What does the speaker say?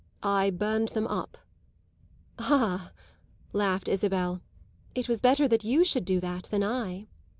I burned them up." "Ah," laughed Isabel, "it was better that you should do that than I!"